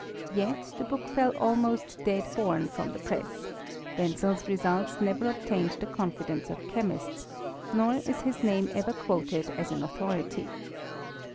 Yet the book fell almost dead born from the press ; Wen zel's results never obtained the confidence of chemists, nor is his name ever quoted as an authority.